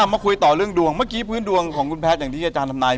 มาคุยต่อเรื่องดวงเมื่อกี้พื้นดวงของคุณแพทย์อย่างที่อาจารย์ทำนาย